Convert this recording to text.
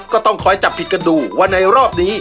ก็ต้องคอยจับผิดกันดูว่าในรอบนี้